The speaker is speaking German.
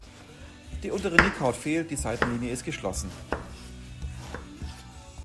Die untere Nickhaut fehlt, die Seitenlinie ist geschlossen.